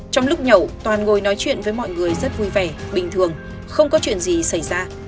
trong lúc nhậu toàn ngồi nói chuyện với mọi người rất vui vẻ bình thường không có chuyện gì xảy ra